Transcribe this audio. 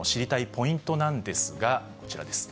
ポイントなんですが、こちらです。